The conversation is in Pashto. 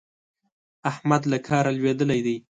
احمد له کاره لوېدلی دی.